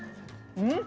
うん？